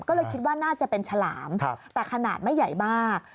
ก็เลยคิดว่าน่าจะเป็นฉลามแต่ขนาดไม่ใหญ่มาก